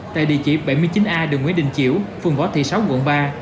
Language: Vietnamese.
tại địa chỉ bảy mươi chín a đường nguyễn đình chiểu phường võ thị sáu quận ba